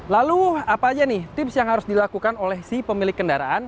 lalu apa aja nih tips yang harus dilakukan oleh si pemilik kendaraan